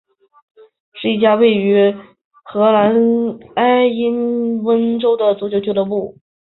是一家位于荷兰埃因霍温的足球俱乐部。